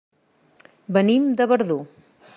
Venim de Verdú.